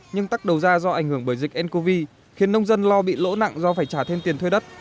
nhưng tắc đầu ra do ảnh hưởng bởi dịch ncov khiến nông dân lo bị lỗ nặng do phải trả thêm tiền thuê đất